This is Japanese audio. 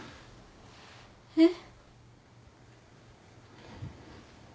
えっ？